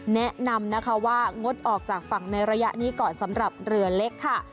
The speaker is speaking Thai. แนะนำนะคะว่างดออกจากฝั่งในระยะนี้ก่อนสำหรับเรือเล็กค่ะ